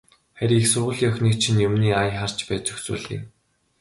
Харин их сургуулийн охиныг чинь юмны ая харж байж зохицуулъя.